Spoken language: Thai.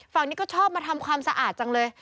ฝั่งนี้ก็ชอบมาทำความสะอาดจังเลย